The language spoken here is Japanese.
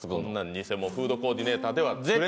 偽物のフードコーディネーターでは。